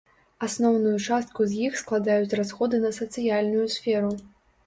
Асноўную частку з іх складаюць расходы на сацыяльную сферу.